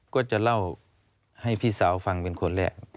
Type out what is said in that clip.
ก็จะเล่าให้พี่สาวฟังเป็นคนแรก